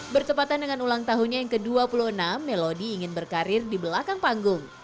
bertepatan dengan ulang tahunnya yang ke dua puluh enam melodi ingin berkarir di belakang panggung